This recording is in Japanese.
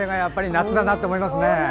夏だなって思いますね。